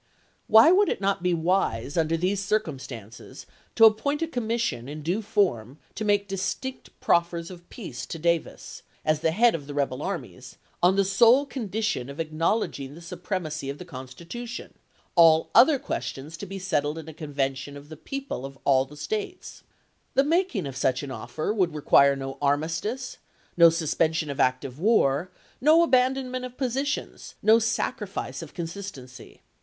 Why would it not be wise, under these circumstances, to appoint a commission, in due form, to make distinct proffers of peace to Davis, as the head of the rebel armies, on the sole condition of acknowledging the supremacy of the Constitution — all other questions to be settled in a convention of the people of all the States t The making of such an offer would require no armistice, no suspen sion of active war, no abandonment of positions, no sac rifice of consistency.